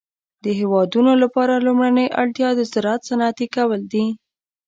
د هيوادونو لپاره لومړنۍ اړتيا د زراعت صنعتي کول دي.